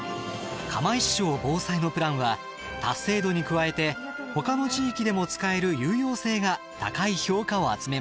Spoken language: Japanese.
釜石小ぼうさいのプランは達成度に加えてほかの地域でも使える有用性が高い評価を集めました。